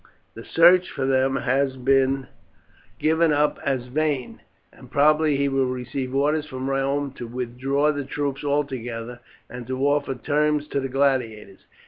The search for them has been given up as vain, and probably he will receive orders from Rome to withdraw the troops altogether and to offer terms to the gladiators.